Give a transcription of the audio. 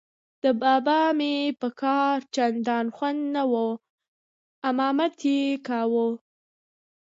د بابا مې په کار چندان خوند نه و، امامت یې کاوه.